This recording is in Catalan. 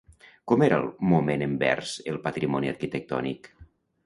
Com era el moment envers el patrimoni arquitectònic?